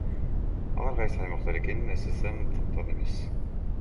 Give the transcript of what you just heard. Алар кайсы аймактар экенин ССМ тактаган эмес.